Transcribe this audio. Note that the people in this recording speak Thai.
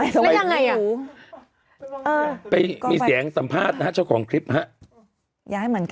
แต่มีสองอย่างคือ